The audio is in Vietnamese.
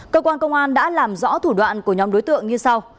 cơ quan công an đã làm rõ thủ đoạn của nhóm đối tượng như sau